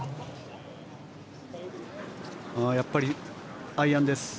やっぱりアイアンです。